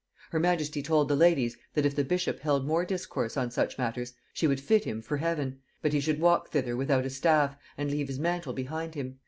Her majesty told the ladies, that if the bishop held more discourse on such matters, she would fit him for heaven, but he should walk thither without a staff, and leave his mantle behind him.